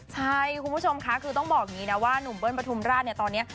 ใช่คุณผู้ชมคะคือต้องบอกว่านุมเบิ้ลปฐุมราชน์ตอนนี้